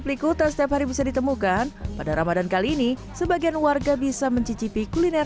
peliku tersebut hari bisa ditemukan pada ramadhan kali ini sebagian warga bisa mencicipi kuliner